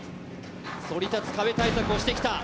そり立つ壁対策をしてきた。